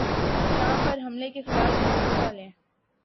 شام پر حملے کیخلاف جلوس نکالیں